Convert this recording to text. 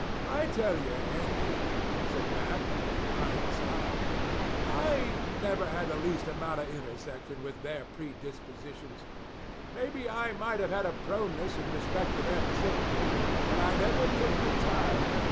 "I tell you, Andy," says Mack, with a kind of sigh, "I never had the least amount of intersection with their predispositions. Maybe I might have had a proneness in respect to their vicinity, but I never took the time.